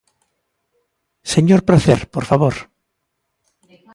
Señor Pracer, por favor.